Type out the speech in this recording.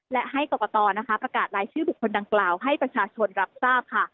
และให้กรกตนะคะประกาศรายชื่อบุคคลดังกล่าวให้ประชาชนรับทราบค่ะ